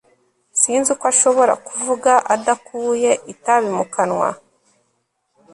sinzi uko ashobora kuvuga adakuye itabi mu kanwa